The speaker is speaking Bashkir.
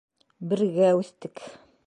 Бергә үҫтек.